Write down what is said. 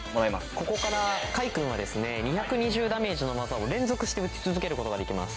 ここからカイくんはで２２０ダメージのワザを連続して打ち続けることができます。